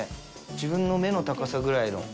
自分の目の高さぐらいの。